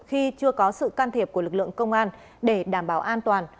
khi chưa có sự can thiệp của lực lượng công an để đảm bảo an toàn